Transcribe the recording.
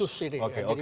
kop sus ini